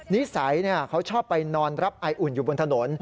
นิสัยเขาชอบไปนอนรับไออุ่นอยู่บนถนน